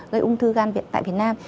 gây ung thư gan tại việt nam